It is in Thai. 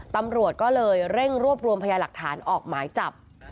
ตำรวจก็เลยเร่งรวบรวมพยาหลักฐานออกหมายจับ